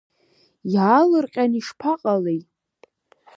Иаалырҟьаны ишԥаҟалеи?!